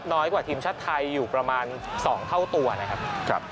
น้อยกว่าทีมชาติไทยอยู่ประมาณ๒เท่าตัวนะครับ